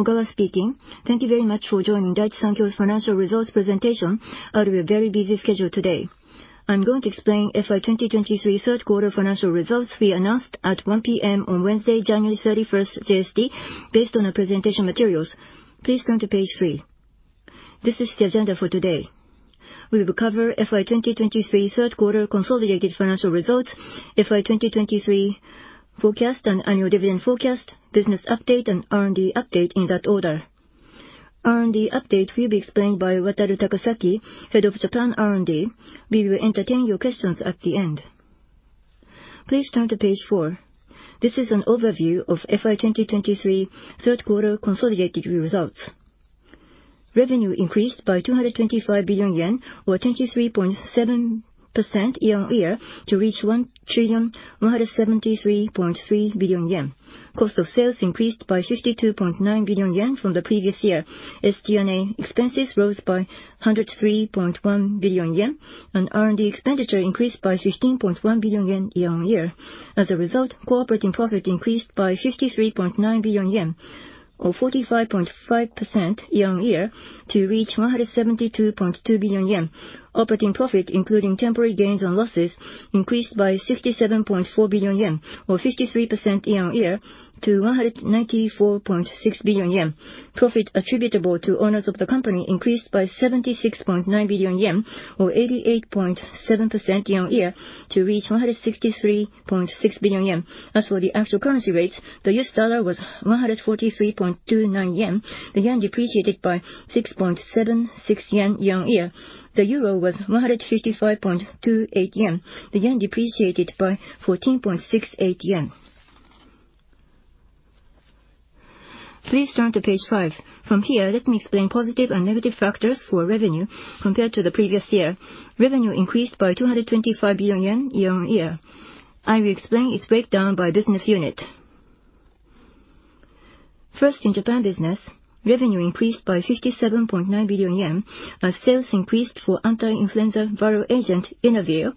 Ogawa speaking. Thank you very much for joining Daiichi Sankyo's financial results presentation out of your very busy schedule today. I'm going to explain FY 2023 third quarter financial results we announced at 1:00 P.M. on Wednesday, January 31, JST, based on our presentation materials. Please turn to page 3. This is the agenda for today. We will cover FY 2023 third quarter consolidated financial results, FY 2023 forecast and annual dividend forecast, business update, and R&D update in that order. R&D update will be explained by Wataru Takasaki, Head of Japan R&D. We will entertain your questions at the end. Please turn to page 4. This is an overview of FY 2023 third quarter consolidated results. Revenue increased by 225 billion yen, or 23.7% year-on-year, to reach 1,173.3 billion yen. Cost of sales increased by 62.9 billion yen from the previous year. SG&A expenses rose by 103.1 billion yen, and R&D expenditure increased by 16.1 billion yen year-on-year. As a result, core operating profit increased by 53.9 billion yen, or 45.5% year-on-year, to reach 172.2 billion yen. Operating profit, including temporary gains and losses, increased by 67.4 billion yen, or 53% year-on-year, to 194.6 billion yen. Profit attributable to owners of the company increased by 76.9 billion yen or 88.7% year-on-year, to reach 163.6 billion yen. As for the actual currency rates, the US dollar was 143.29 yen. The yen depreciated by 6.76 yen year-on-year. The euro was 155.28 yen. The yen depreciated by 14.68 yen. Please turn to page five. From here, let me explain positive and negative factors for revenue compared to the previous year. Revenue increased by 225 billion yen year-on-year. I will explain its breakdown by business unit. First, in Japan business, revenue increased by 57.9 billion yen, as sales increased for anti-influenza viral agent, Xofluza,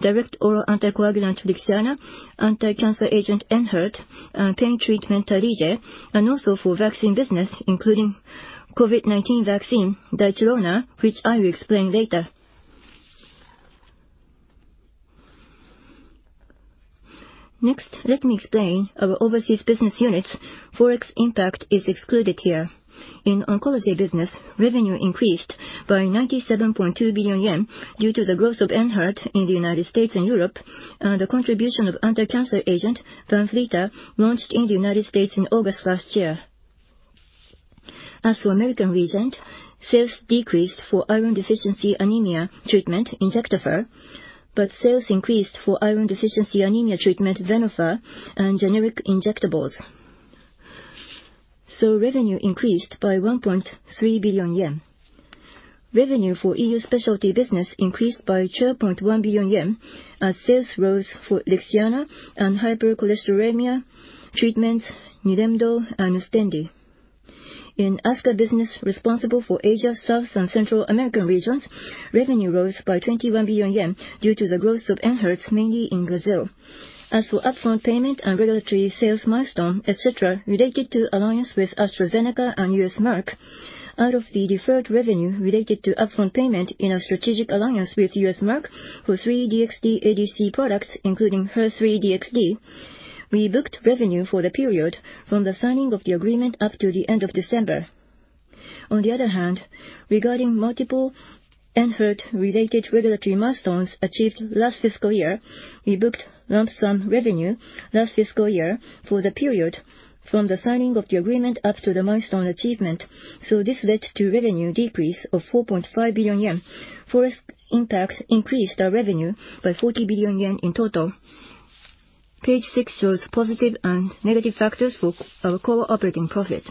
direct oral anticoagulant, Eliquis, anticancer agent, Enhertu, and pain treatment, Tarlige, and also for vaccine business, including COVID-19 vaccine, Daichirona, which I will explain later. Next, let me explain our overseas business units. Forex impact is excluded here. In oncology business, revenue increased by 97.2 billion yen due to the growth of Enhertu in the United States and Europe, and the contribution of anticancer agent, Vanflyta, launched in the United States in August last year. As for American region, sales decreased for iron deficiency anemia treatment, Injectafer, but sales increased for iron deficiency anemia treatment, Venofer, and generic injectables. Revenue increased by 1.3 billion yen. Revenue for EU specialty business increased by 12.1 billion yen as sales rose for Eliquis and hypercholesterolemia treatments, Nilemdo and Nustendi. In ASCA business, responsible for Asia, South and Central American regions, revenue rose by 21 billion yen due to the growth of Enhertu, mainly in Brazil. As for upfront payment and regulatory sales milestone, et cetera, related to alliance with AstraZeneca and US Merck, out of the deferred revenue related to upfront payment in our strategic alliance with US Merck for three DXd ADC products, including HER3-DXd, we booked revenue for the period from the signing of the agreement up to the end of December. On the other hand, regarding multiple Enhertu-related regulatory milestones achieved last fiscal year, we booked lump sum revenue last fiscal year for the period from the signing of the agreement up to the milestone achievement. This led to revenue decrease of 4.5 billion yen. Forex impact increased our revenue by 40 billion yen in total. Page six shows positive and negative factors for our core operating profit.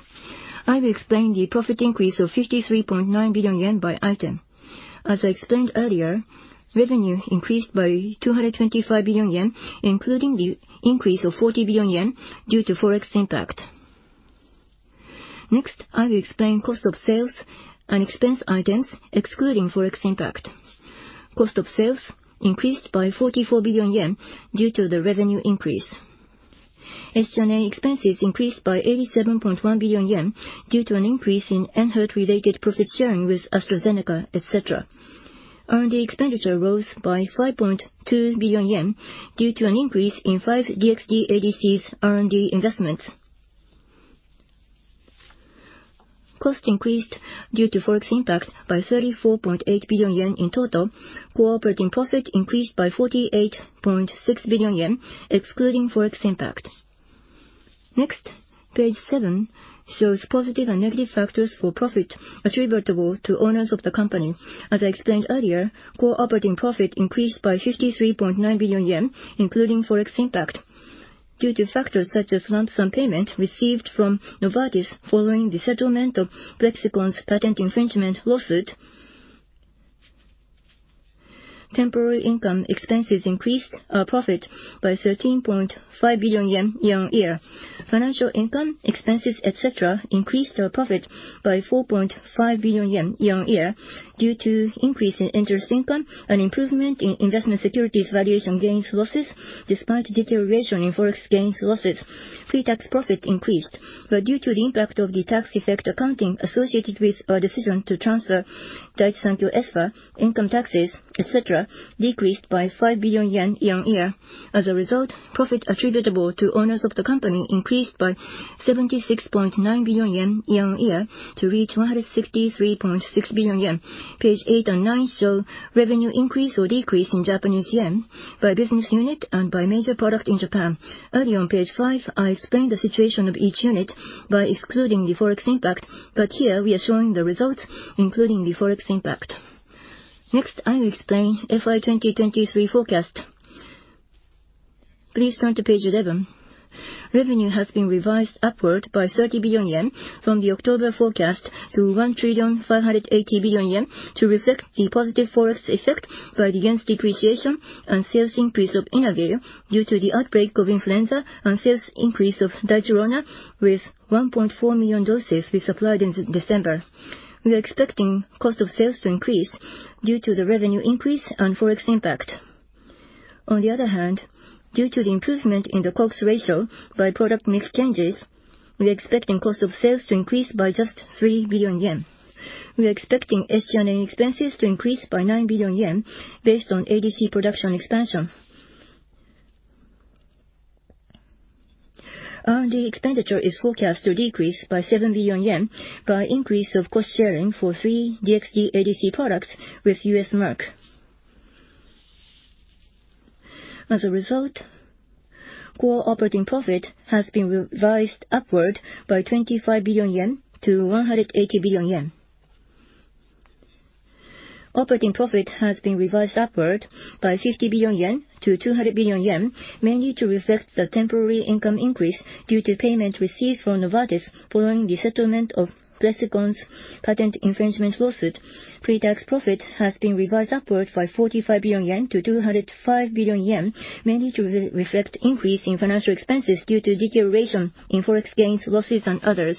I will explain the profit increase of 53.9 billion yen by item. As I explained earlier, revenue increased by 225 billion yen, including the increase of 40 billion yen due to Forex impact. Next, I will explain cost of sales and expense items excluding Forex impact. Cost of sales increased by 44 billion yen due to the revenue increase. SG&A expenses increased by 87.1 billion yen due to an increase in Enhertu-related profit sharing with AstraZeneca, et cetera. R&D expenditure rose by 5.2 billion yen due to an increase in five DXd ADCs R&D investments. Cost increased due to Forex impact by 34.8 billion yen in total. Core operating profit increased by 48.6 billion yen, excluding Forex impact. Next, page seven shows positive and negative factors for profit attributable to owners of the company. As I explained earlier, core operating profit increased by 53.9 billion yen, including Forex impact, due to factors such as lump sum payment received from Novartis following the settlement of Plexxikon's patent infringement lawsuit. Temporary income expenses increased our profit by 13.5 billion yen year-on-year. Financial income, expenses, et cetera, increased our profit by 4.5 billion yen year-on-year, due to increase in interest income and improvement in investment securities valuation gains losses, despite deterioration in Forex gains losses. Pre-tax profit increased, but due to the impact of the tax effect accounting associated with our decision to transfer Daiichi Sankyo Europe, income taxes, et cetera, decreased by 5 billion yen year-on-year. As a result, profit attributable to owners of the company increased by 76.9 billion yen year-on-year to reach 163.6 billion yen. Page 8 and 9 show revenue increase or decrease in Japanese yen by business unit and by major product in Japan. Earlier on page 5, I explained the situation of each unit by excluding the Forex impact, but here we are showing the results, including the Forex impact. Next, I will explain FY2023 forecast. Please turn to page 11. Revenue has been revised upward by 30 billion yen from the October forecast to 1,580,000,000,000 yen, to reflect the positive Forex effect by the yen's depreciation and sales increase of Inavir, due to the outbreak of influenza and sales increase of Daichirona, with 1.4 million doses we supplied in December. We are expecting cost of sales to increase due to the revenue increase and Forex impact. On the other hand, due to the improvement in the COGS ratio by product mix changes, we are expecting cost of sales to increase by just 3 billion yen. We are expecting SG&A expenses to increase by 9 billion yen, based on ADC production expansion. R&D expenditure is forecast to decrease by 7 billion yen, by increase of cost sharing for three DXd ADC products with US Merck. As a result, core operating profit has been revised upward by 25 billion-180 billion yen. Operating profit has been revised upward by 50 billion-200 billion yen, mainly to reflect the temporary income increase due to payments received from Novartis following the settlement of Plexxikon's patent infringement lawsuit. Pre-tax profit has been revised upward by 45 billion-205 billion yen, mainly to re-reflect increase in financial expenses due to deterioration in Forex gains, losses and others.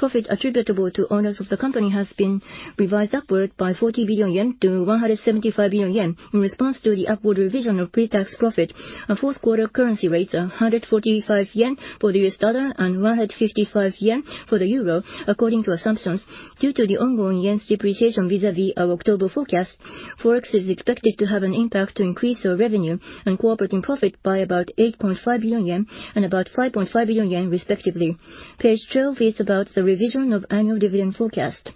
Profit attributable to owners of the company has been revised upward by 40 billion-175 billion yen, in response to the upward revision of pre-tax profit and fourth quarter currency rates of 145 yen for the U.S. dollar and 155 yen for the euro, according to assumptions. Due to the ongoing yen's depreciation vis-a-vis our October forecast, Forex is expected to have an impact to increase our revenue and operating profit by about 8.5 billion yen and about 5.5 billion yen, respectively. Page 12 is about the revision of annual dividend forecast.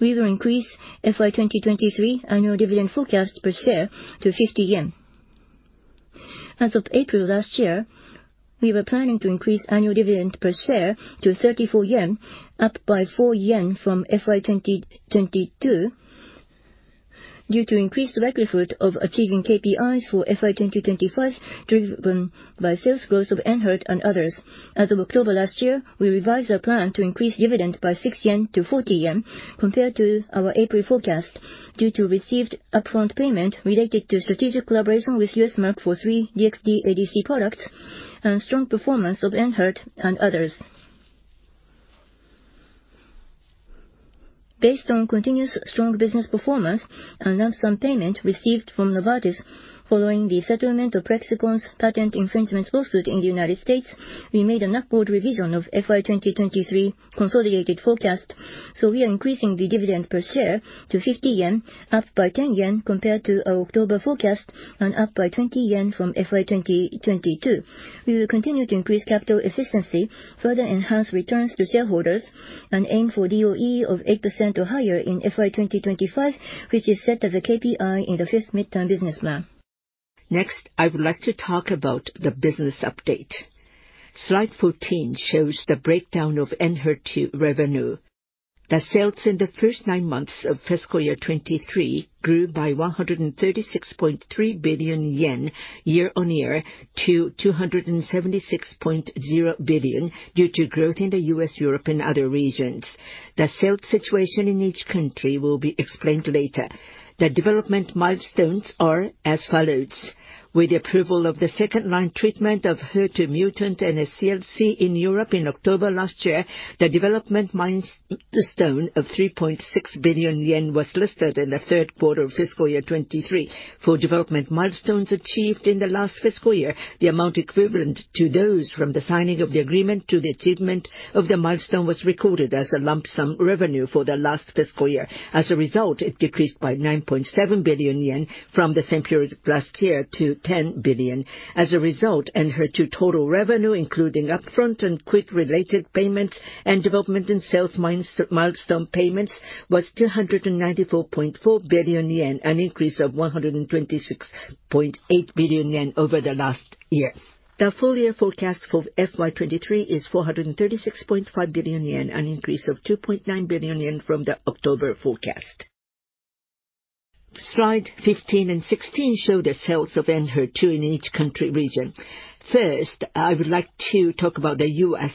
We will increase FY2023 annual dividend forecast per share to 50 yen. As of April last year, we were planning to increase annual dividend per share to 34 yen, up by 4 yen from FY 2022, due to increased likelihood of achieving KPIs for FY 2025, driven by sales growth of Enhertu and others. As of October last year, we revised our plan to increase dividend by 6-40 yen compared to our April forecast, due to received upfront payment related to strategic collaboration with US Merck for three DXd ADC products and strong performance of Enhertu and others. Based on continuous strong business performance and lump sum payment received from Novartis following the settlement of Plexxikon's patent infringement lawsuit in the United States, we made an upward revision of FY2023 consolidated forecast. We are increasing the dividend per share to 50 yen, up by 10 yen compared to our October forecast, and up by 20 yen from FY 2022. We will continue to increase capital efficiency, further enhance returns to shareholders, and aim for DOE of 8% or higher in FY 2025, which is set as a KPI in the fifth midterm business plan. Next, I would like to talk about the business update. Slide 14 shows the breakdown of Enhertu revenue. The sales in the first 9 months of fiscal year 2023 grew by 136.3 billion yen year-on-year to 276.0 billion, due to growth in the U.S., Europe and other regions. The sales situation in each country will be explained later. The development milestones are as follows: With the approval of the second-line treatment of HER2-mutant and SCC in Europe in October last year, the development milestone of 3.6 billion yen was listed in the third quarter of fiscal year 2023. For development milestones achieved in the last fiscal year, the amount equivalent to those from the signing of the agreement to the achievement of the milestone was recorded as a lump sum revenue for the last fiscal year. As a result, it decreased by 9.7 billion yen from the same period last year to 10 billion. As a result, Enhertu total revenue, including upfront and other related payments and development and sales milestone payments, was 294.4 billion yen, an increase of 126.8 billion yen over the last year. The full year forecast for FY 2023 is 436.5 billion yen, an increase of 2.9 billion yen from the October forecast. Slide 15 and 16 show the sales of Enhertu in each country region. First, I would like to talk about the U.S.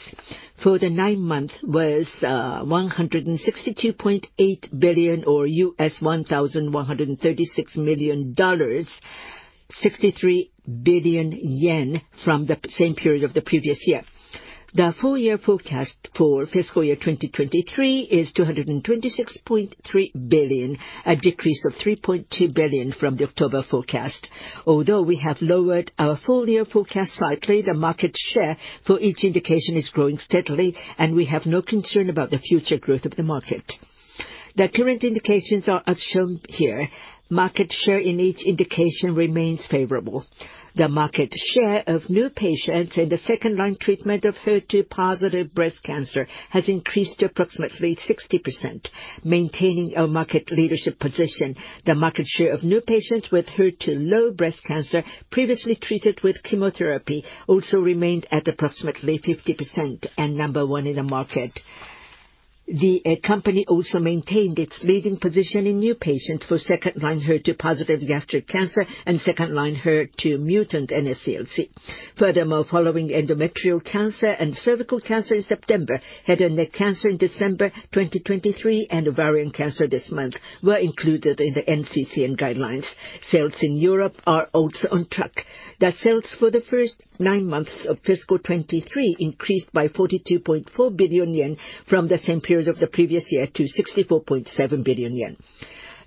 For the nine months was 162.8 billion, or U.S. $1,136 million, 162.8 billion yen from the same period of the previous year. The full-year forecast for fiscal year 2023 is 226.3 billion, a decrease of 3.2 billion from the October forecast. Although we have lowered our full-year forecast slightly, the market share for each indication is growing steadily, and we have no concern about the future growth of the market. The current indications are as shown here. Market share in each indication remains favorable. The market share of new patients in the second-line treatment of HER2-positive breast cancer has increased to approximately 60%, maintaining our market leadership position. The market share of new patients with HER2-low breast cancer previously treated with chemotherapy also remained at approximately 50%, and number one in the market. The company also maintained its leading position in new patients for second-line HER2-positive gastric cancer and second-line HER2-mutant NSCLC. Furthermore, following endometrial cancer and cervical cancer in September, head and neck cancer in December 2023, and ovarian cancer this month were included in the NCCN guidelines. Sales in Europe are also on track. The sales for the first nine months of fiscal 2023 increased by 42.4 billion yen from the same period of the previous year to 64.7 billion yen.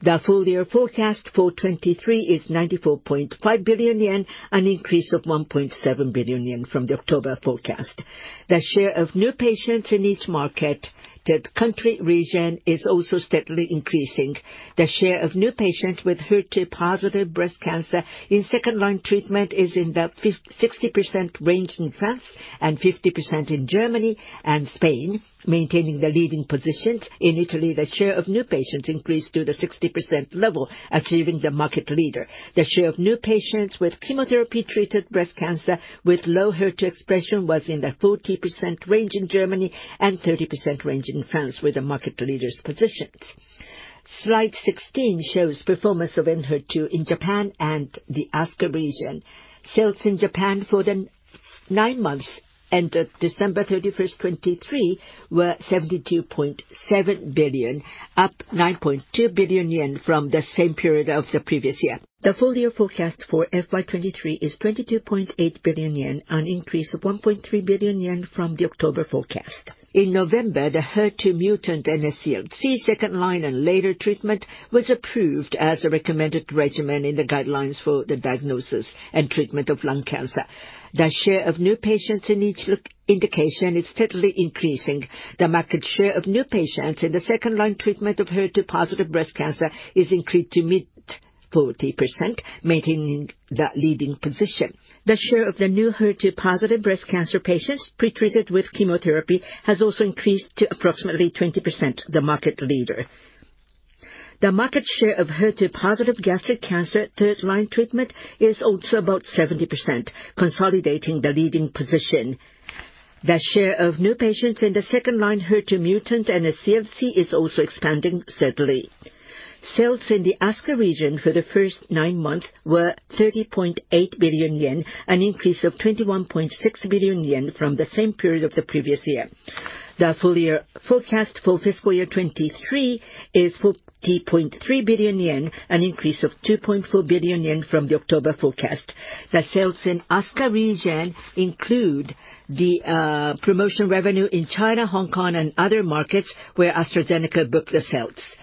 The full year forecast for 2023 is 94.5 billion yen, an increase of 1.7 billion yen from the October forecast. The share of new patients in each market, the country region, is also steadily increasing. The share of new patients with HER2-positive breast cancer in second-line treatment is in the 50%-60% range in France and 50% in Germany and Spain, maintaining the leading positions. In Italy, the share of new patients increased to the 60% level, achieving the market leader. The share of new patients with chemotherapy-treated breast cancer with low HER2 expression was in the 40% range in Germany and 30% range in France, with the market leader's positions. Slide 16 shows performance of Enhertu in Japan and the ASCA region. Sales in Japan for the nine months ended December 31, 2023, were 72.7 billion, up 9.2 billion yen from the same period of the previous year. The full year forecast for FY 2023 is 22.8 billion yen, an increase of 1.3 billion yen from the October forecast. In November, the HER2-mutant NSCLC second-line and later treatment was approved as a recommended regimen in the guidelines for the diagnosis and treatment of lung cancer. The share of new patients in each line indication is steadily increasing. The market share of new patients in the second-line treatment of HER2-positive breast cancer is increased to mid-40%, maintaining the leading position. The share of the new HER2-positive breast cancer patients pretreated with chemotherapy has also increased to approximately 20%, the market leader. The market share of HER2-positive gastric cancer third-line treatment is also about 70%, consolidating the leading position. The share of new patients in the second-line HER2 mutant NSCLC is also expanding steadily. Sales in the ASCA region for the first nine months were 30.8 billion yen, an increase of 21.6 billion yen from the same period of the previous year. The full year forecast for fiscal year 2023 is 40.3 billion yen, an increase of 2.4 billion yen from the October forecast. The sales in ASCA region include the promotion revenue in China, Hong Kong, and other markets where AstraZeneca booked the sales.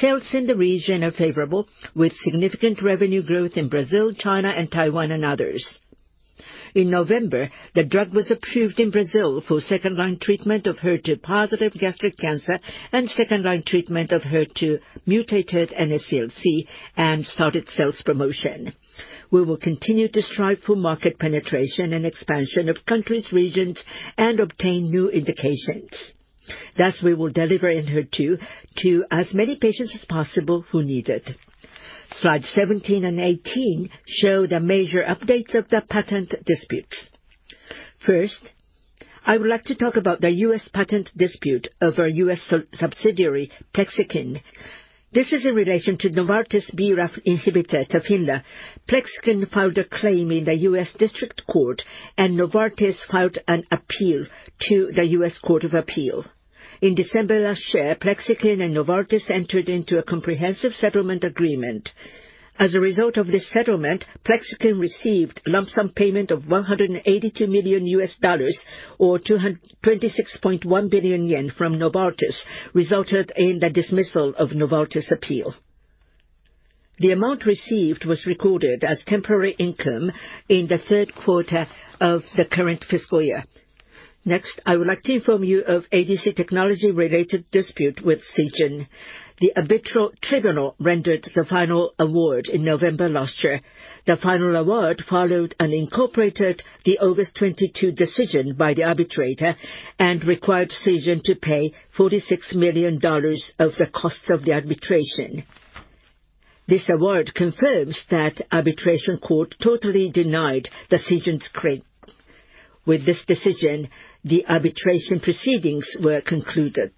Sales in the region are favorable, with significant revenue growth in Brazil, China, and Taiwan, and others. In November, the drug was approved in Brazil for second-line treatment of HER2-positive gastric cancer and second-line treatment of HER2-mutated NSCLC, and started sales promotion. We will continue to strive for market penetration and expansion of countries, regions, and obtain new indications. Thus, we will deliver Enhertu to as many patients as possible who need it. Slides 17 and 18 show the major updates of the patent disputes. First, I would like to talk about the U.S. patent dispute over U.S. subsidiary, Plexxikon. This is in relation to Novartis BRAF inhibitor, Tafinlar. Plexxikon filed a claim in the U.S. District Court, and Novartis filed an appeal to the U.S. Court of Appeals. In December last year, Plexxikon and Novartis entered into a comprehensive settlement agreement. As a result of this settlement, Plexxikon received a lump sum payment of $182 million, or 226.1 billion yen from Novartis, resulted in the dismissal of Novartis' appeal. The amount received was recorded as temporary income in the third quarter of the current fiscal year. Next, I would like to inform you of ADC technology-related dispute with Seagen. The arbitral tribunal rendered the final award in November last year. The final award followed and incorporated the August 2022 decision by the arbitrator and required Seagen to pay $46 million of the costs of the arbitration. This award confirms that arbitration court totally denied the Seagen's claim. With this decision, the arbitration proceedings were concluded.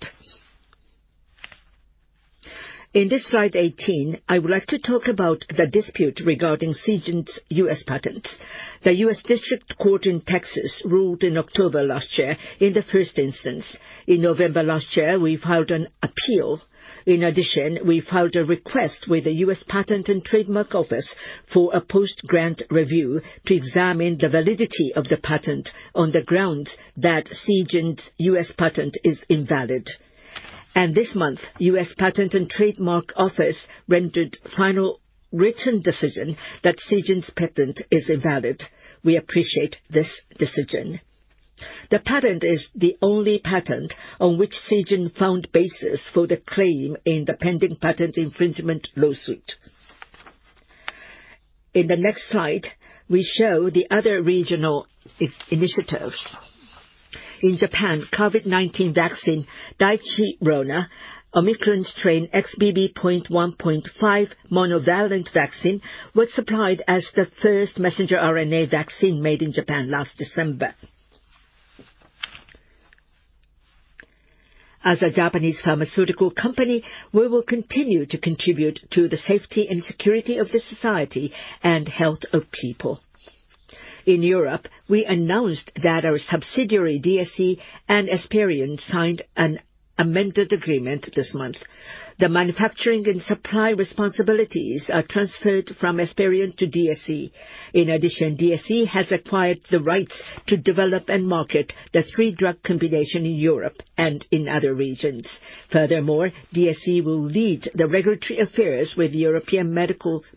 In this Slide 18, I would like to talk about the dispute regarding Seagen's U.S. patents. The U.S. District Court in Texas ruled in October last year, in the first instance. In November last year, we filed an appeal. In addition, we filed a request with the U.S. Patent and Trademark Office for a post-grant review to examine the validity of the patent on the grounds that Seagen's U.S. patent is invalid. And this month, U.S. Patent and Trademark Office rendered final written decision that Seagen's patent is invalid. We appreciate this decision. The patent is the only patent on which Seagen found basis for the claim in the pending patent infringement lawsuit. In the next slide, we show the other regional initiatives. In Japan, COVID-19 vaccine, Daichirona, Omicron strain XBB.1.5 monovalent vaccine, was supplied as the first messenger RNA vaccine made in Japan last December. As a Japanese pharmaceutical company, we will continue to contribute to the safety and security of the society and health of people. In Europe, we announced that our subsidiary, DSC, and Esperion, signed an amended agreement this month. The manufacturing and supply responsibilities are transferred from Esperion to DSC. In addition, DSC has acquired the rights to develop and market the three-drug combination in Europe and in other regions. Furthermore, DSC will lead the regulatory affairs with the European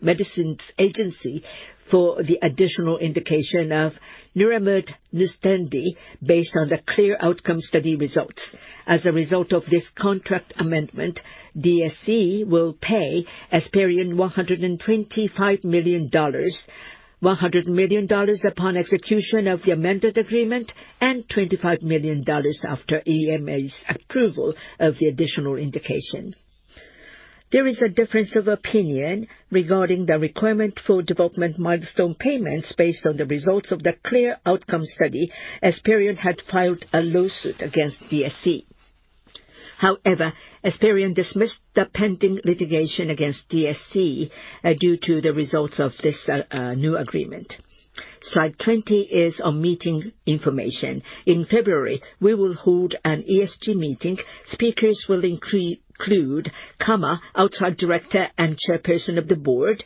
Medicines Agency for the additional indication of Nilemdo Nustendi, based on the CLEAR Outcomes study results. As a result of this contract amendment, DSC will pay Esperion $125 million, $100 million upon execution of the amended agreement, and $25 million after EMA's approval of the additional indication. There is a difference of opinion regarding the requirement for development milestone payments based on the results of the clear outcome study. Esperion had filed a lawsuit against DSC. However, Esperion dismissed the pending litigation against DSC due to the results of this new agreement. Slide 20 is on meeting information. In February, we will hold an ESG meeting. Speakers will include Kama, outside director and chairperson of the board,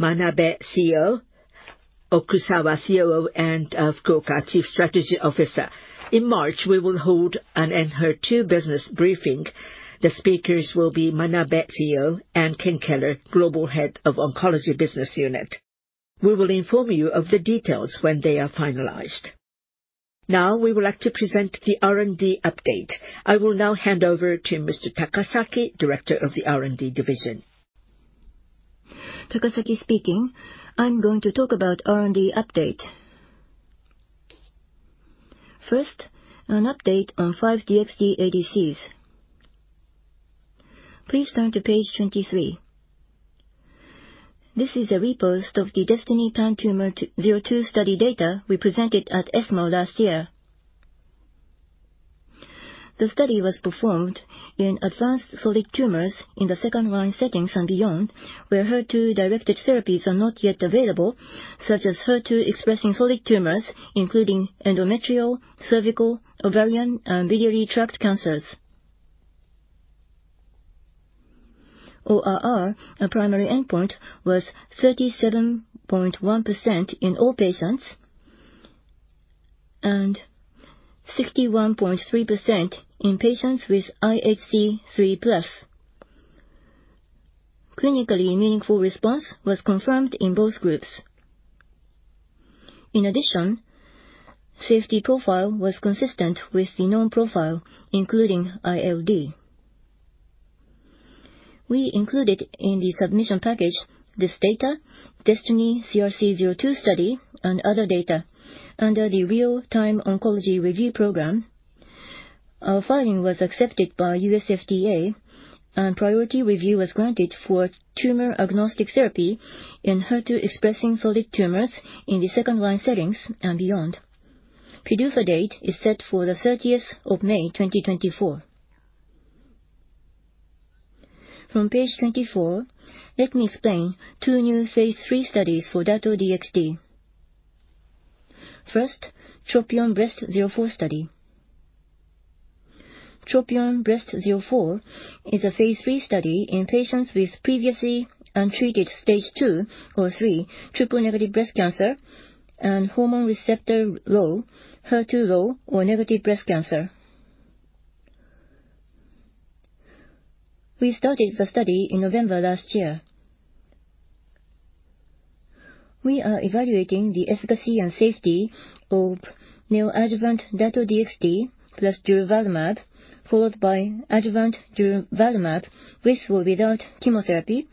Manabe, CEO, Okusawa, COO, and Fukuoka, Chief Strategy Officer. In March, we will hold an HER2 business briefing. The speakers will be Manabe, CEO, and Ken Keller, Global Head of Oncology Business Unit. We will inform you of the details when they are finalized. Now, we would like to present the R&D update. I will now hand over to Mr. Takasaki, Director of the R&D Division. Takasaki speaking. I'm going to talk about R&D update. First, an update on five DXd ADCs. Please turn to page 23. This is a report of the DESTINY-PanTumor02 study data we presented at ESMO last year. The study was performed in advanced solid tumors in the second-line settings and beyond, where HER2-directed therapies are not yet available, such as HER2-expressing solid tumors, including endometrial, cervical, ovarian, and biliary tract cancers. ORR, a primary endpoint, was 37.1% in all patients, and 61.3% in patients with IHC 3+. Clinically meaningful response was confirmed in both groups. In addition, safety profile was consistent with the known profile, including ILD. We included in the submission package this data, DESTINY-CRC02 study, and other data under the Real Time Oncology Review program. Our filing was accepted by U.S. FDA, and priority review was granted for tumor-agnostic therapy in HER2-expressing solid tumors in the second-line settings and beyond. PDUFA date is set for the thirtieth of May, 2024. From page 24, let me explain two new phase III studies for Dato-DXd. First, TROPION-Breast04 study. TROPION-Breast04 is a phase III study in patients with previously untreated stage two or three triple-negative breast cancer and hormone receptor low, HER2 low, or negative breast cancer. We started the study in November last year. We are evaluating the efficacy and safety of neoadjuvant Dato-DXd plus durvalumab, followed by adjuvant durvalumab, with or without chemotherapy,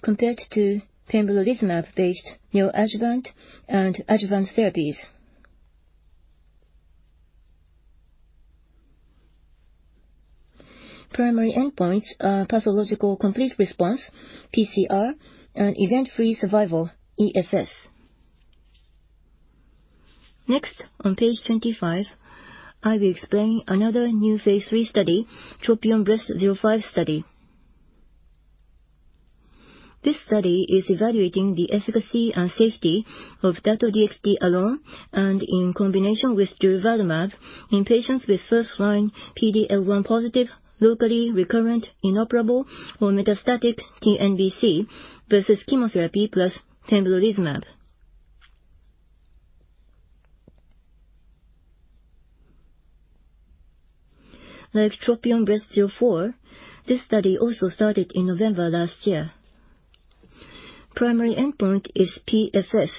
compared to pembrolizumab-based neoadjuvant and adjuvant therapies. Primary endpoints are pathological complete response, pCR, and event-free survival, EFS. Next, on page 25, I will explain another new phase III study, TROPION-Breast05 study. This study is evaluating the efficacy and safety of Dato-DXd alone and in combination with durvalumab in patients with first-line PD-L1 positive, locally recurrent, inoperable, or metastatic TNBC versus chemotherapy plus pembrolizumab. Like TROPION-Breast04, this study also started in November last year. Primary endpoint is PFS,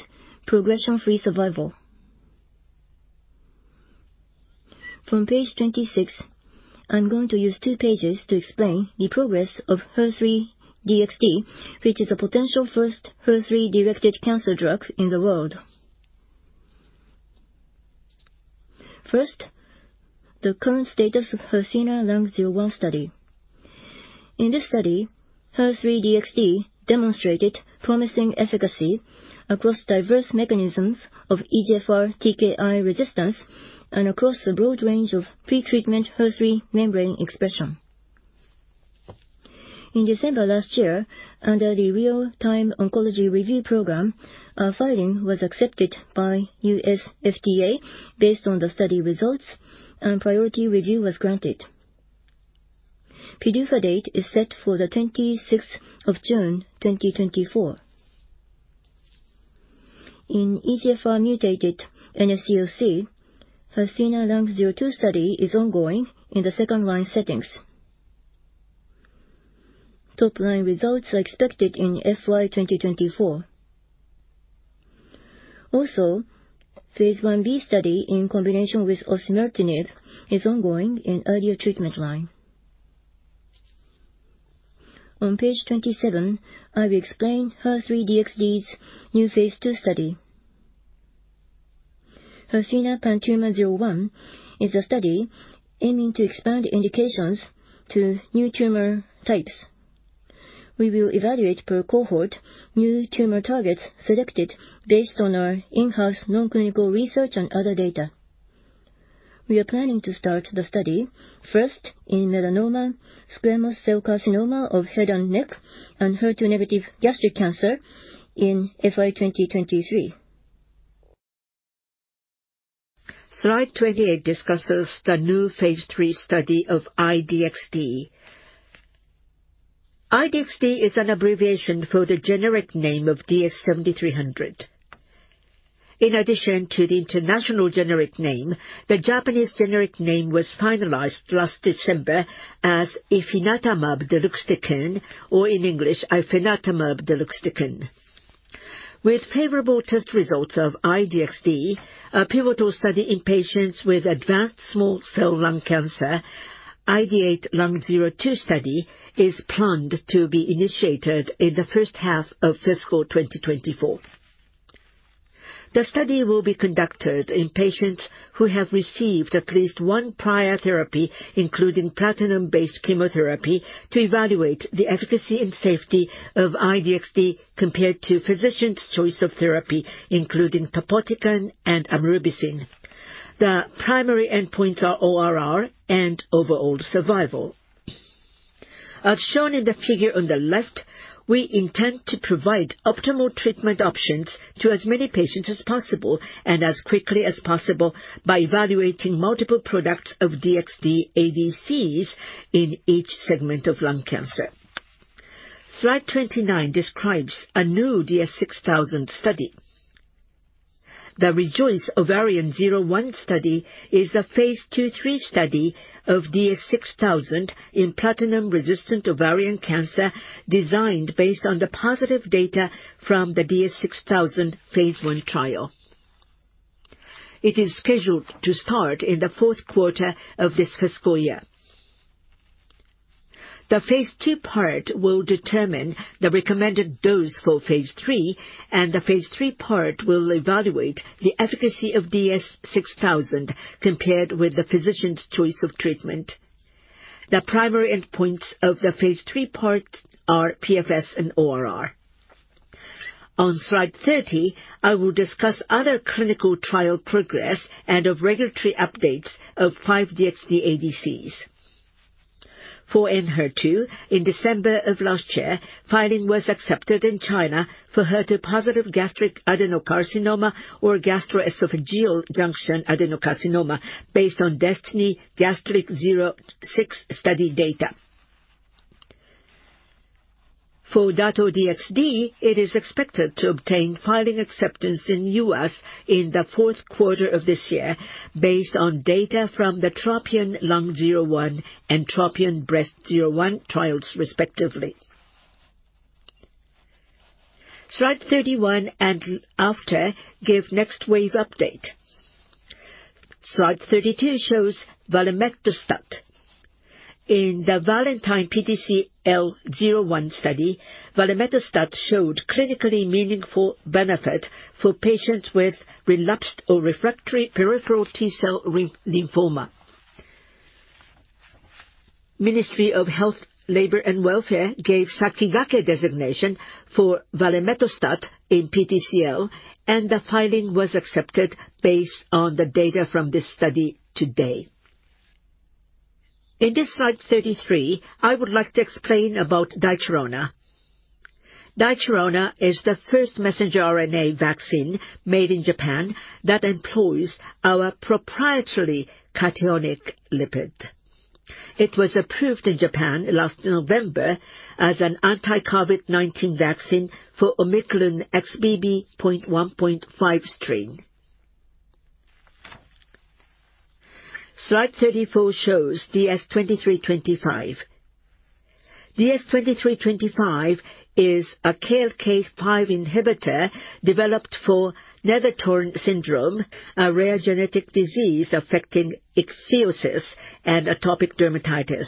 progression-free survival. From page 26, I'm going to use 2 pages to explain the progress of HER3-DXd, which is a potential first HER3-directed cancer drug in the world. First, the current status of HERTHENA-Lung01 study. In this study, HER3-DXd demonstrated promising efficacy across diverse mechanisms of EGFR TKI resistance and across a broad range of pretreatment HER3 membrane expression. In December last year, under the Real-Time Oncology Review program, our filing was accepted by U.S. FDA based on the study results, and priority review was granted. PDUFA date is set for the 26th of June, 2024. In EGFR-mutated NSCLC, HERTHENA-Lung02 study is ongoing in the second-line settings. Top-line results are expected in FY 2024. Also, phase 1b study in combination with osimertinib is ongoing in earlier treatment line. On page 27, I will explain HER3-DXd's new phase 2 study. HERTHENA-PanTumor01 is a study aiming to expand indications to new tumor types. We will evaluate per cohort new tumor targets selected based on our in-house nonclinical research and other data. We are planning to start the study first in melanoma, squamous cell carcinoma of head and neck, and HER2-negative gastric cancer in FY 2023. Slide 28 discusses the new phase III study of I-DXd. I-DXd is an abbreviation for the generic name of DS-7300. In addition to the international generic name, the Japanese generic name was finalized last December as ifinatamab deruxtecan, or in English, ifinatamab deruxtecan. With favorable test results of I-DXd, a pivotal study in patients with advanced small cell lung cancer, IDATE-Lung02 study, is planned to be initiated in the first half of fiscal 2024. The study will be conducted in patients who have received at least one prior therapy, including platinum-based chemotherapy, to evaluate the efficacy and safety of I-DXd compared to physician's choice of therapy, including topotecan and amrubicin. The primary endpoints are ORR and overall survival. As shown in the figure on the left, we intend to provide optimal treatment options to as many patients as possible and as quickly as possible by evaluating multiple products of DXd ADCs in each segment of lung cancer. Slide 29 describes a new DS-6000 study. The REJOICE-Ovarian01 study is a phase II/III study of DS-6000 in platinum-resistant ovarian cancer, designed based on the positive data from the DS-6000 phase I trial. It is scheduled to start in the fourth quarter of this fiscal year. The phase II part will determine the recommended dose for phase III, and the phase III part will evaluate the efficacy of DS-6000 compared with the physician's choice of treatment. The primary endpoints of the phase III part are PFS and ORR. On slide 30, I will discuss other clinical trial progress and of regulatory updates of five DXd ADCs. For Enhertu, in December of last year, filing was accepted in China for HER2-positive gastric adenocarcinoma or gastroesophageal junction adenocarcinoma based on DESTINY-Gastric06 study data. For Dato-DXd, it is expected to obtain filing acceptance in U.S. in the fourth quarter of this year, based on data from the TROPION-Lung01 and TROPION-Breast01 trials, respectively. Slide 31 and after give Next Wave update. Slide 32 shows valemetostat. In the VALENTINE-PTCL01 study, valemetostat showed clinically meaningful benefit for patients with relapsed or refractory peripheral T-cell lymphoma. Ministry of Health, Labour, and Welfare gave Sakigake designation for valemetostat in PTCL, and the filing was accepted based on the data from this study to date. In this slide 33, I would like to explain about Daichirona. Daichirona is the first messenger RNA vaccine made in Japan that employs our proprietary cationic lipid. It was approved in Japan last November as an anti-COVID-19 vaccine for Omicron XBB.1.5 strain. Slide 34 shows DS-2325. DS-2325 is a KLK5 inhibitor developed for Netherton syndrome, a rare genetic disease affecting ichthyosis and atopic dermatitis.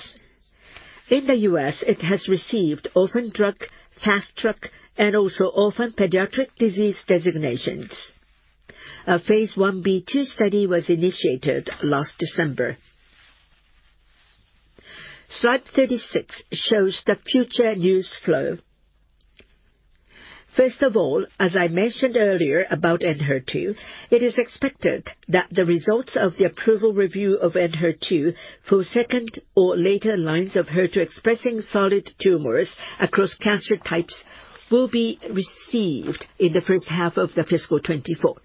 In the U.S., it has received orphan drug, fast track, and also orphan pediatric disease designations. A phase 1b/2 study was initiated last December. Slide 36 shows the future news flow. First of all, as I mentioned earlier about Enhertu, it is expected that the results of the approval review of Enhertu for second or later lines of HER2-expressing solid tumors across cancer types will be received in the first half of fiscal 2024.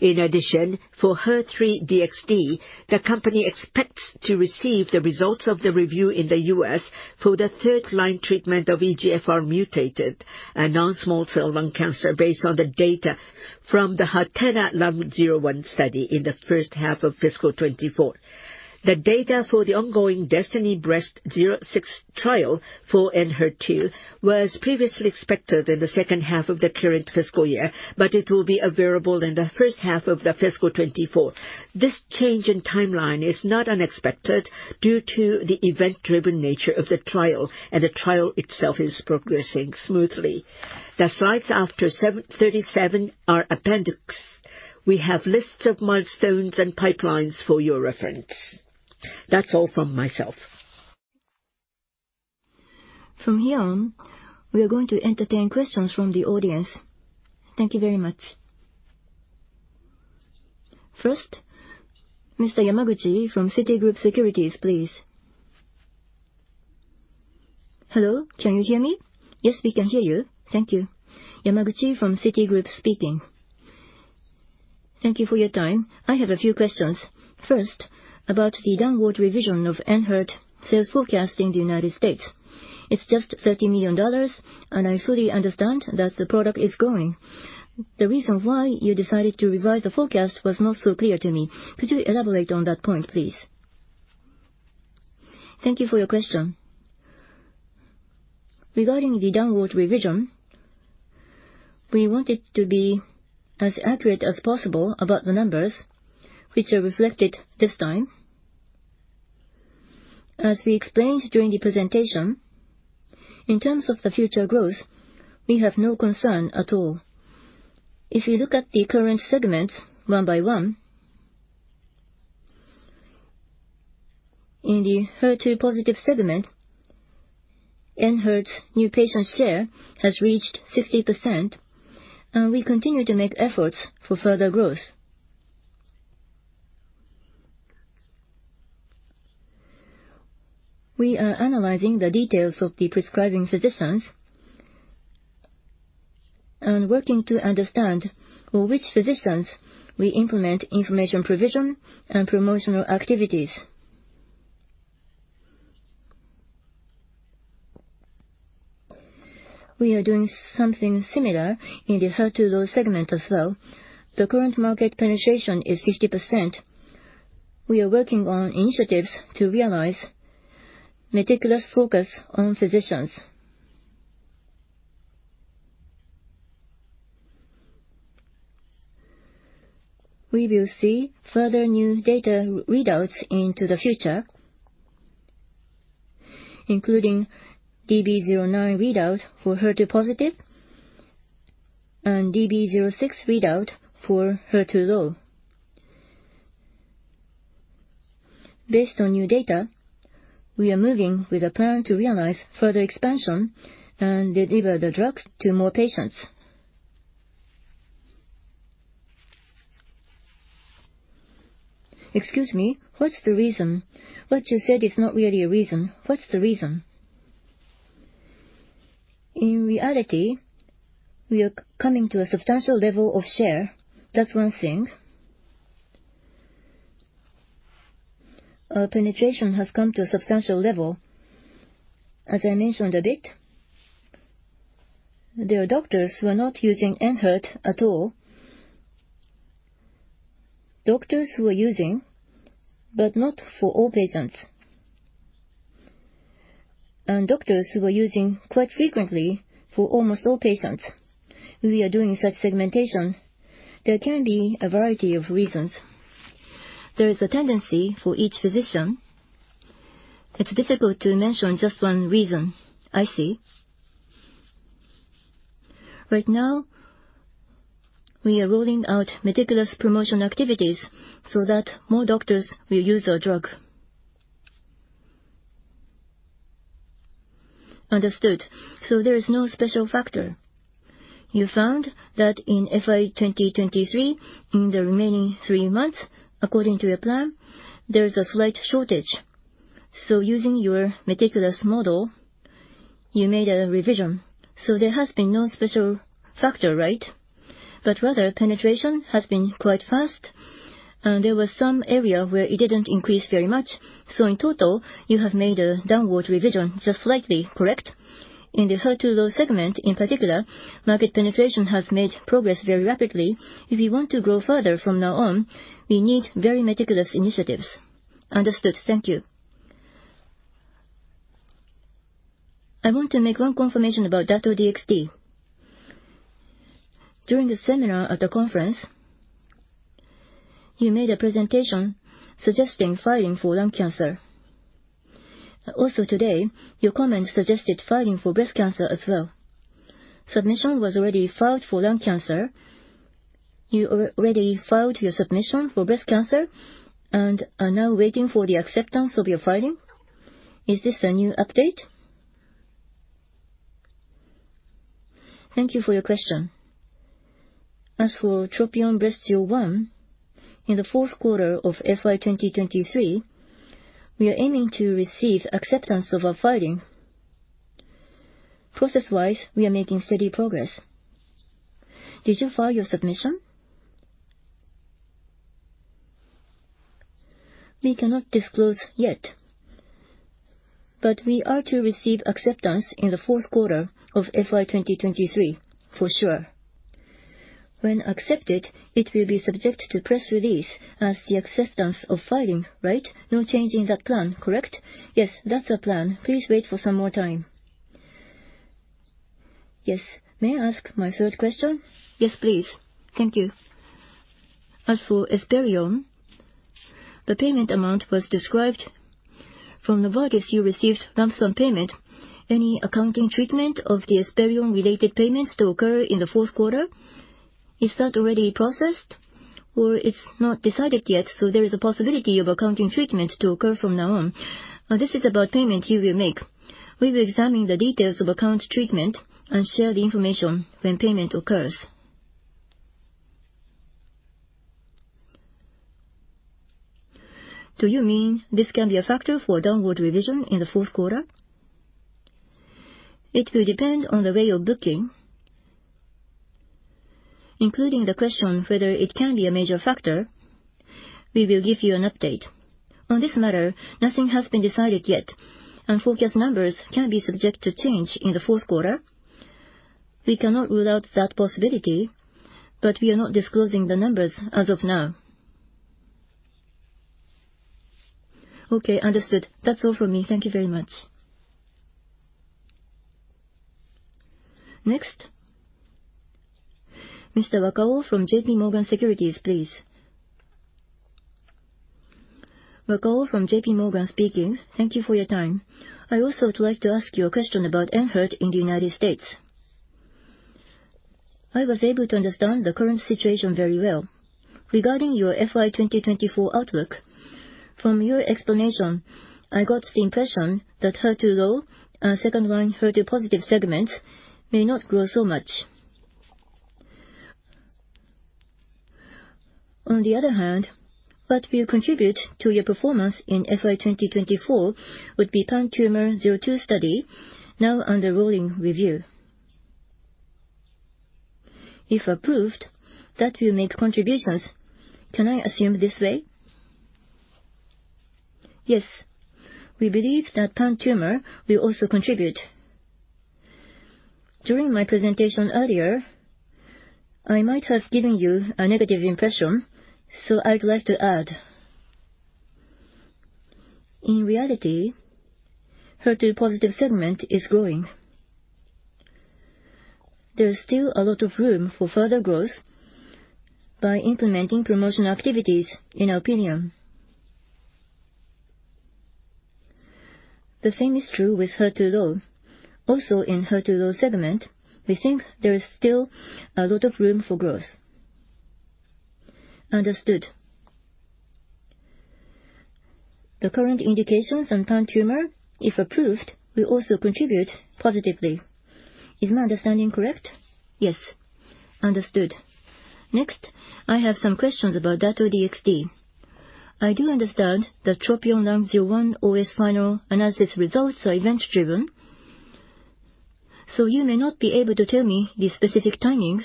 In addition, for HER3-DXd, the company expects to receive the results of the review in the U.S. for the third-line treatment of EGFR mutated and non-small cell lung cancer, based on the data from the HATENA-Lung01 study in the first half of fiscal 2024. The data for the ongoing DESTINY-Breast06 trial for Enhertu was previously expected in the second half of the current fiscal year, but it will be available in the first half of the fiscal 2024. This change in timeline is not unexpected due to the event-driven nature of the trial, and the trial itself is progressing smoothly. The slides after 37 are appendix. We have lists of milestones and pipelines for your reference. That's all from myself. From here on, we are going to entertain questions from the audience. Thank you very much. First, Mr. Yamaguchi from Citigroup Securities, please. Hello, can you hear me? Yes, we can hear you. Thank you. Yamaguchi from Citigroup speaking. Thank you for your time. I have a few questions. First, about the downward revision of Enhertu sales forecast in the United States. It's just $30 million, and I fully understand that the product is growing. The reason why you decided to revise the forecast was not so clear to me. Could you elaborate on that point, please? Thank you for your question. Regarding the downward revision, we want it to be as accurate as possible about the numbers, which are reflected this time. As we explained during the presentation, in terms of the future growth, we have no concern at all. If you look at the current segments one by one, in the HER2-positive segment, Enhertu's new patient share has reached 60%, and we continue to make efforts for further growth. We are analyzing the details of the prescribing physicians and working to understand for which physicians we implement information provision and promotional activities. We are doing something similar in the HER2-low segment as well. The current market penetration is 50%. We are working on initiatives to realize meticulous focus on physicians. We will see further new data readouts into the future, including DB09 readout for HER2 positive and DB06 readout for HER2 low. Based on new data, we are moving with a plan to realize further expansion and deliver the drugs to more patients. Excuse me, what's the reason? What you said is not really a reason. What's the reason? In reality, we are coming to a substantial level of share. That's one thing. Our penetration has come to a substantial level. As I mentioned a bit, there are doctors who are not using Enhertu at all, doctors who are using, but not for all patients, and doctors who are using quite frequently for almost all patients. We are doing such segmentation. There can be a variety of reasons. There is a tendency for each physician. It's difficult to mention just one reason. I see. Right now, we are rolling out meticulous promotion activities so that more doctors will use our drug. Understood. So there is no special factor. You found that in FY2023, in the remaining three months, according to your plan, there is a slight shortage. So using your meticulous model, you made a revision. So there has been no special factor, right? But rather, penetration has been quite fast, and there was some area where it didn't increase very much. So in total, you have made a downward revision just slightly, correct? In the HER2-low segment, in particular, market penetration has made progress very rapidly. If you want to grow further from now on, we need very meticulous initiatives. Understood. Thank you. I want to make one confirmation about Dato-DXd. During the seminar at the conference, you made a presentation suggesting filing for lung cancer. Also today, your comments suggested filing for breast cancer as well. Submission was already filed for lung cancer. You already filed your submission for breast cancer and are now waiting for the acceptance of your filing. Is this a new update? Thank you for your question. As for Tropion Breast-01, in the fourth quarter of FY2023, we are aiming to receive acceptance of our filing. Process-wise, we are making steady progress. Did you file your submission? We cannot disclose yet, but we are to receive acceptance in the fourth quarter of FY2023, for sure. When accepted, it will be subject to press release as the acceptance of filing, right? No change in that plan, correct? Yes, that's the plan. Please wait for some more time. Yes. May I ask my third question? Yes, please. Thank you. As for Esperion, the payment amount was described. From Novartis, you received lump sum payment. Any accounting treatment of the Esperion-related payments to occur in the fourth quarter, is that already processed? Or it's not decided yet, so there is a possibility of accounting treatment to occur from now on. This is about payment you will make. We will examine the details of accounting treatment and share the information when payment occurs. Do you mean this can be a factor for downward revision in the fourth quarter? It will depend on the way of booking, including the question whether it can be a major factor. We will give you an update. On this matter, nothing has been decided yet, and forecast numbers can be subject to change in the fourth quarter. We cannot rule out that possibility, but we are not disclosing the numbers as of now. Okay, understood. That's all for me. Thank you very much. Next, Mr. Wakao from JP Morgan Securities, please. Wakao from JP Morgan speaking. Thank you for your time. I also would like to ask you a question about Enhertu in the United States. I was able to understand the current situation very well. Regarding your FY2024 outlook, from your explanation, I got the impression that HER2-low and second-line HER2-positive segments may not grow so much. On the other hand, what will contribute to your performance in FY2024 would be PAN-Tumor02 study, now under rolling review. If approved, that will make contributions. Can I assume this way? Yes. We believe that PAN-Tumor will also contribute. During my presentation earlier, I might have given you a negative impression, so I'd like to add. In reality, HER2-positive segment is growing. There is still a lot of room for further growth by implementing promotional activities, in our opinion. The same is true with HER2-low. Also, in HER2-low segment, we think there is still a lot of room for growth. Understood. The current indications on pan-tumor, if approved, will also contribute positively. Is my understanding correct? Yes. Understood. Next, I have some questions about Dato-DXd. I do understand that TROPION-Lung01 OS final analysis results are event-driven, so you may not be able to tell me the specific timing.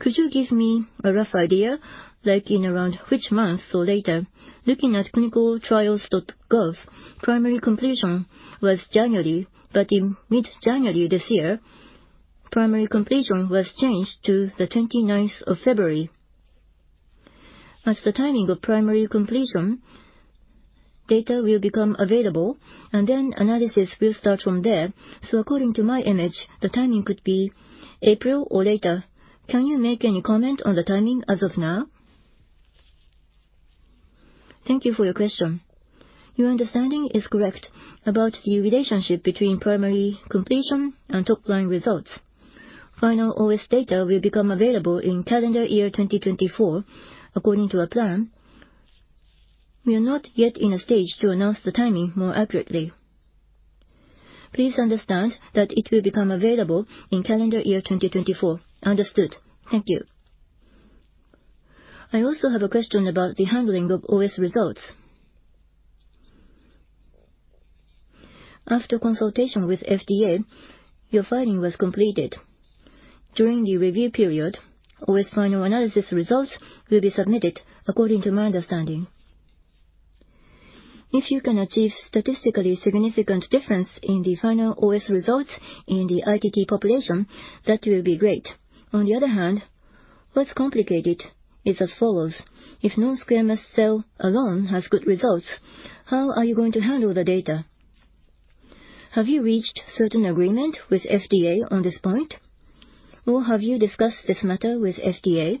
Could you give me a rough idea, like in around which month or later? Looking at clinicaltrials.gov, primary completion was January, but in mid-January this year, primary completion was changed to the twenty-ninth of February. As the timing of primary completion, data will become available, and then analysis will start from there. So according to my image, the timing could be April or later. Can you make any comment on the timing as of now? Thank you for your question. Your understanding is correct about the relationship between primary completion and top-line results. Final OS data will become available in calendar year 2024, according to our plan. We are not yet in a stage to announce the timing more accurately. Please understand that it will become available in calendar year 2024. Understood. Thank you. I also have a question about the handling of OS results. After consultation with FDA, your filing was completed. During the review period, OS final analysis results will be submitted, according to my understanding. If you can achieve statistically significant difference in the final OS results in the ITT population, that will be great. On the other hand, what's complicated is as follows: If non-squamous cell alone has good results, how are you going to handle the data? Have you reached certain agreement with FDA on this point, or have you discussed this matter with FDA?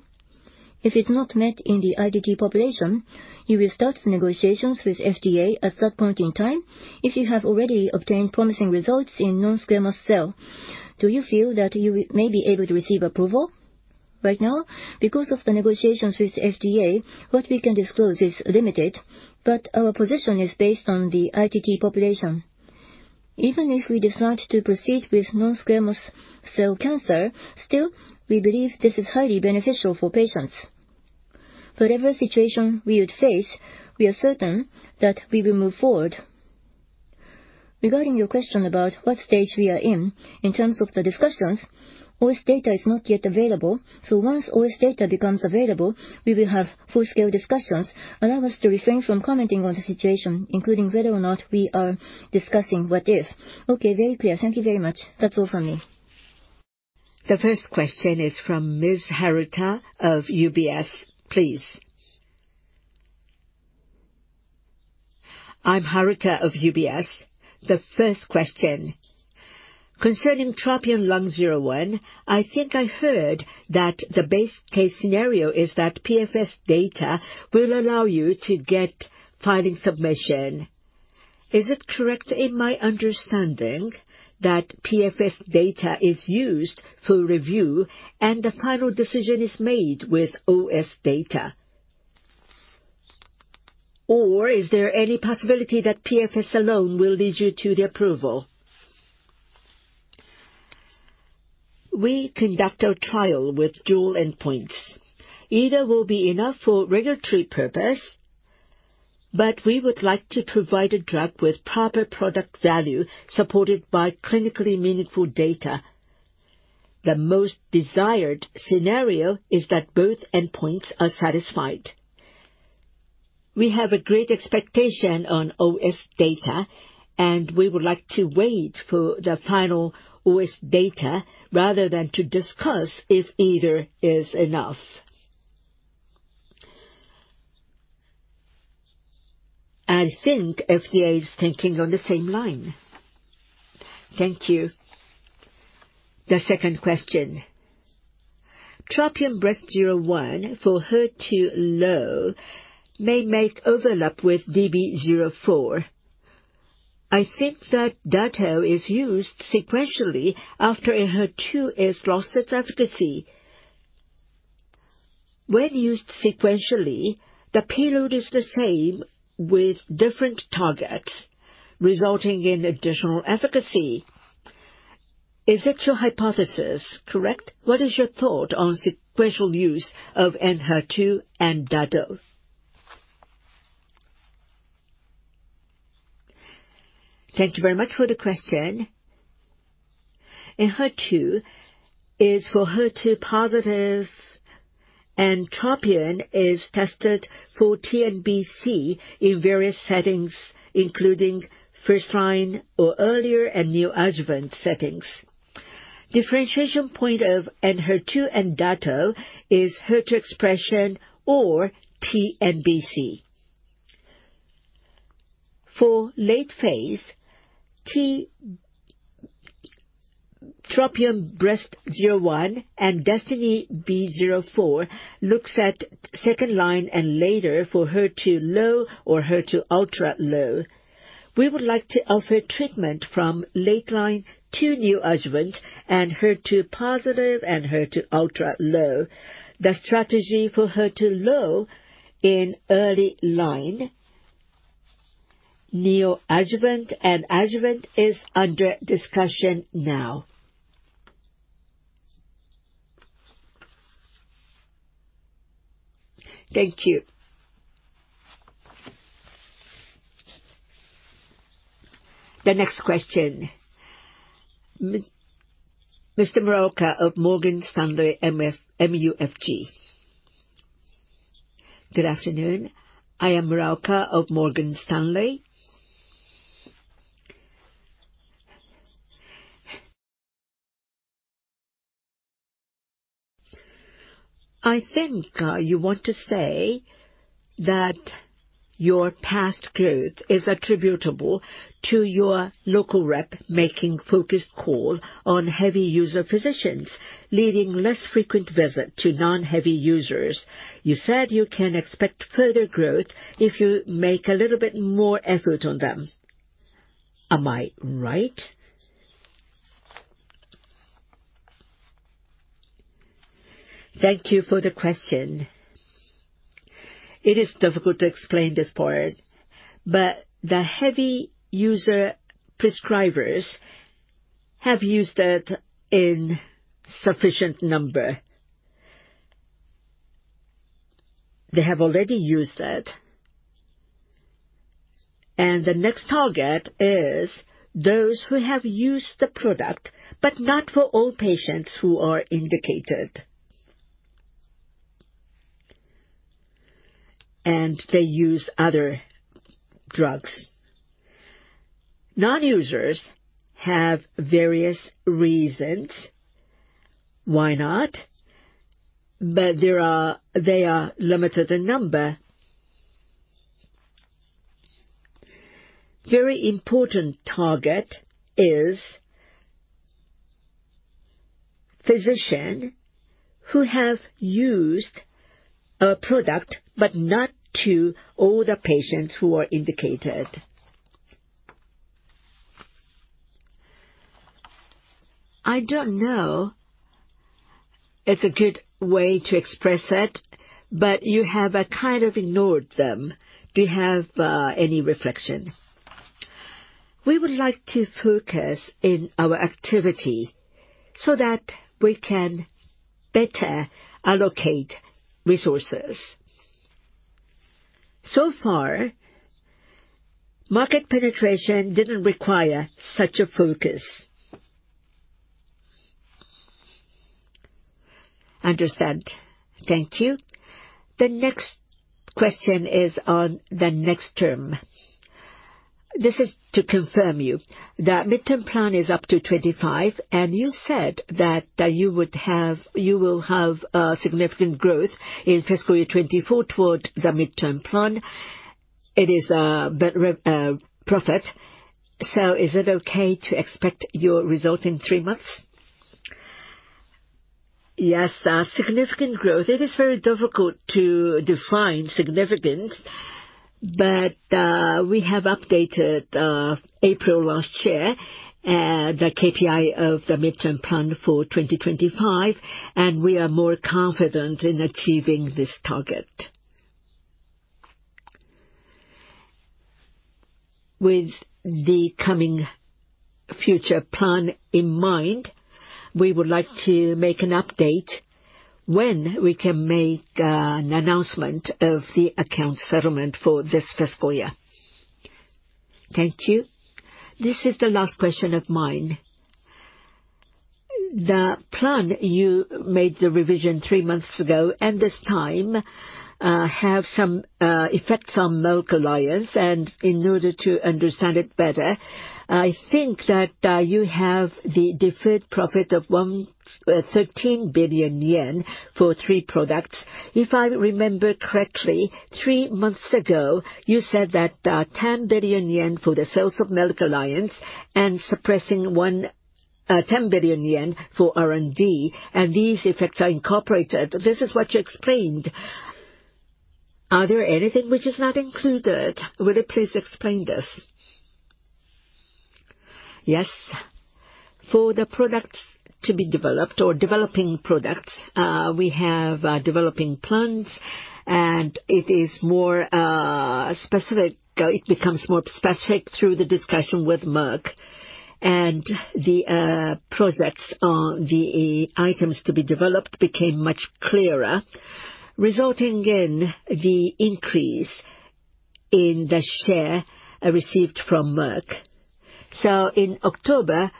If it's not met in the ITT population, you will start negotiations with FDA at that point in time. If you have already obtained promising results in non-squamous cell, do you feel that you may be able to receive approval? Right now, because of the negotiations with FDA, what we can disclose is limited, but our position is based on the ITT population. Even if we decide to proceed with non-squamous cell cancer, still, we believe this is highly beneficial for patients. Whatever situation we would face, we are certain that we will move forward. Regarding your question about what stage we are in, in terms of the discussions, OS data is not yet available, so once OS data becomes available, we will have full-scale discussions. Allow us to refrain from commenting on the situation, including whether or not we are discussing what if. Okay, very clear. Thank you very much. That's all from me. The first question is from Ms. Haruta of UBS, please. I'm Haruta of UBS. The first question: concerning Tropion-Lung01, I think I heard that the base case scenario is that PFS data will allow you to get filing submission. Is it correct in my understanding that PFS data is used for review and the final decision is made with OS data? Or is there any possibility that PFS alone will lead you to the approval? We conduct our trial with dual endpoints. Either will be enough for regulatory purpose, but we would like to provide a drug with proper product value, supported by clinically meaningful data. The most desired scenario is that both endpoints are satisfied. We have a great expectation on OS data, and we would like to wait for the final OS data rather than to discuss if either is enough. I think FDA is thinking on the same line. Thank you. The second question, TROPION-Breast01 for HER2-low may make overlap with DB04. I think that dato is used sequentially after Enhertu has lost its efficacy. When used sequentially, the payload is the same with different targets, resulting in additional efficacy. Is this your hypothesis correct? What is your thought on sequential use of Enhertu and dato? Thank you very much for the question. Enhertu is for HER2-positive, and TROPION is tested for TNBC in various settings, including first-line or earlier and neoadjuvant settings. Differentiation point of Enhertu and dato is HER2 expression or TNBC. For late phase, TROPION-Breast01 and DESTINY-Breast04 looks at second-line and later for HER2-low or HER2 ultra-low. We would like to offer treatment from late line to neoadjuvant and HER2-positive and HER2 ultra-low. The strategy for HER2 low in early line, neoadjuvant and adjuvant is under discussion now. Thank you. The next question, Mr. Muraoka of Morgan Stanley MUFG. Good afternoon. I am Muraoka of Morgan Stanley. I think, you want to say that your past growth is attributable to your local rep making focused call on heavy user physicians, leading less frequent visit to non-heavy users. You said you can expect further growth if you make a little bit more effort on them. Am I right? Thank you for the question. It is difficult to explain this part, but the heavy user prescribers have used that in sufficient number. They have already used that. And the next target is those who have used the product, but not for all patients who are indicated. And they use other drugs. Non-users have various reasons why not, but there are. They are limited in number. Very important target is physician who have used a product, but not to all the patients who are indicated. I don't know it's a good way to express it, but you have, kind of ignored them. Do you have, any reflection? We would like to focus in our activity so that we can better allocate resources. So far, market penetration didn't require such a focus. Understand. Thank you. The next question is on the next term. This is to confirm you. The midterm plan is up to 25, and you said that, that you would have, you will have a significant growth in fiscal year 2024 toward the midterm plan. It is better profit. So is it okay to expect your result in three months? Yes. Significant growth, it is very difficult to define significant, but we have updated April last year the KPI of the midterm plan for 2025, and we are more confident in achieving this target. With the coming future plan in mind, we would like to make an update when we can make an announcement of the account settlement for this fiscal year. Thank you. This is the last question of mine. The plan, you made the revision three months ago, and this time, have some effects on Merck alliance, and in order to understand it better, I think that, you have the deferred profit of 13 billion yen for three products. If I remember correctly, three months ago, you said that, 10 billion yen for the sales of Merck alliance and suppressing 10 billion yen for R&D, and these effects are incorporated. This is what you explained. Are there anything which is not included? Will you please explain this? Yes. For the products to be developed or developing products, we have developing plans, and it is more specific. It becomes more specific through the discussion with Merck. And the projects on the items to be developed became much clearer, resulting in the increase in the share received from Merck. So in October,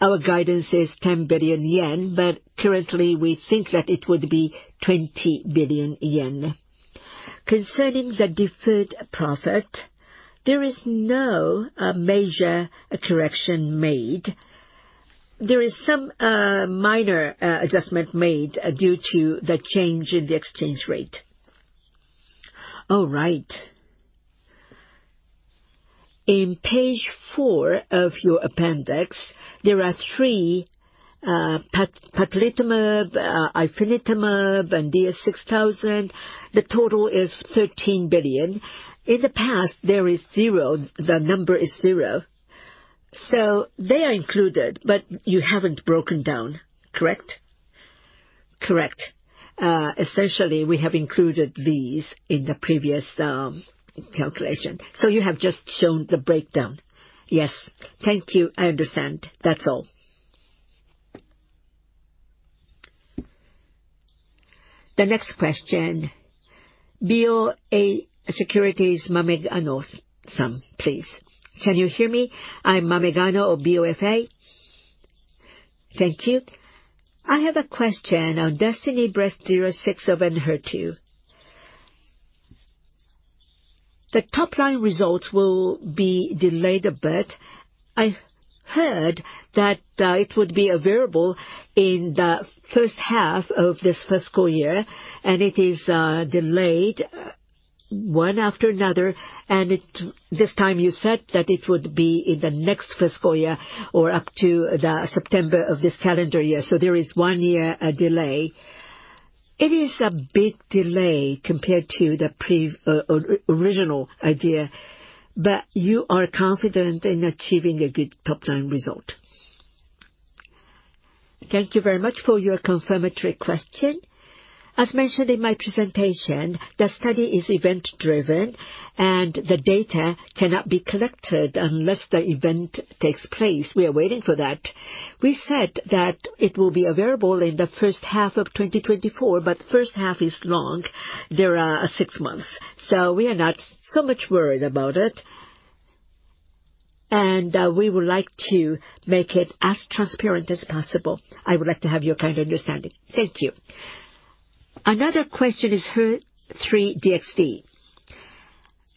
our guidance is 10 billion yen, but currently, we think that it would be 20 billion yen. Concerning the deferred profit, there is no major correction made. There is some minor adjustment made due to the change in the exchange rate. All right. On page 4 of your appendix, there are three patritumab, ifinatamab, and DS-6000. The total is 13 billion. In the past, there is zero. The number is zero. So they are included, but you haven't broken down, correct? Correct. Essentially, we have included these in the previous calculation. So you have just shown the breakdown? Yes. Thank you. I understand. That's all. The next question, BofA Securities, Maegawa-san, please. Can you hear me? I'm Maegawa of BofA. Thank you. I have a question on Destiny Breast 06 of HER2. The top line results will be delayed a bit. I heard that, it would be available in the first half of this fiscal year, and it is, delayed one after another, and it, this time you said that it would be in the next fiscal year or up to the September of this calendar year, so there is one year, delay. It is a big delay compared to the pre, or original idea, but you are confident in achieving a good top line result? Thank you very much for your confirmatory question. As mentioned in my presentation, the study is event-driven, and the data cannot be collected unless the event takes place. We are waiting for that. We said that it will be available in the first half of 2024, but first half is long. There are six months, so we are not so much worried about it, and, we would like to make it as transparent as possible. I would like to have your kind understanding. Thank you. Another question is HER3-DXd.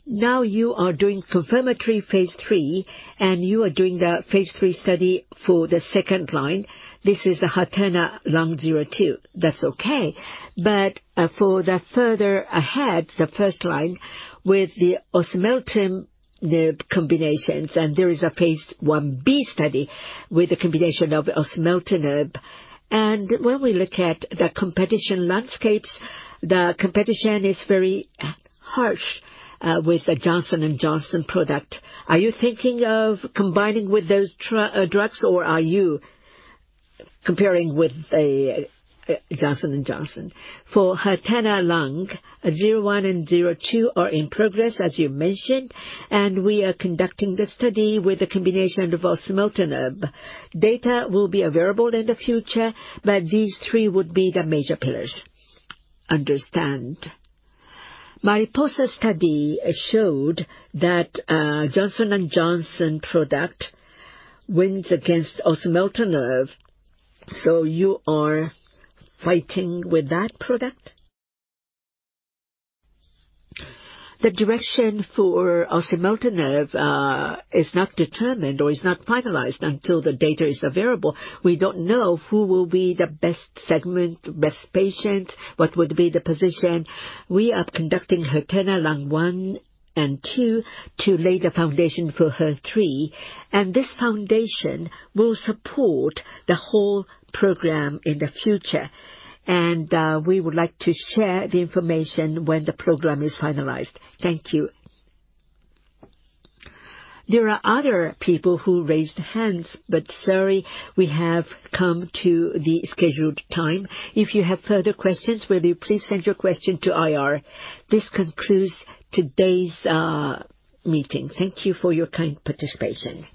Now you are doing confirmatory phase III, and you are doing the phase III study for the second line. This is the HERTHENA-Lung02. That's okay, but, for the further ahead, the first line with the osimertinib combinations, and there is a phase Ib study with a combination of osimertinib. And when we look at the competition landscapes, the competition is very, harsh, with the Johnson & Johnson product. Are you thinking of combining with those drugs, or are you comparing with a Johnson & Johnson? For HATENA-Lung 01 and 02 are in progress, as you mentioned, and we are conducting the study with a combination of Osimertinib. Data will be available in the future, but these three would be the major pillars. Understand. Mariposa study showed that, Johnson & Johnson product wins against Osimertinib, so you are fighting with that product? The direction for Osimertinib is not determined or is not finalized until the data is available. We don't know who will be the best segment, best patient, what would be the position. We are conducting HERTHENA-Lung 1 and 2 to lay the foundation for HER3, and this foundation will support the whole program in the future. And, we would like to share the information when the program is finalized. Thank you. There are other people who raised hands, but sorry, we have come to the scheduled time. If you have further questions, will you please send your question to IR? This concludes today's meeting. Thank you for your kind participation.